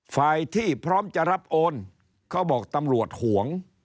ฝ่ายที่พร้อมจะรับโอนเขาบอกตำรวจห่วง